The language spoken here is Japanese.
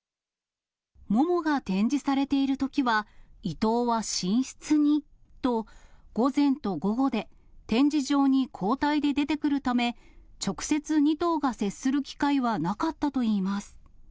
モモが展示されているときはイトウは寝室に、と、午前と午後で、展示場に交代で出てくるため、直接２頭が接する機会はなかったといいます。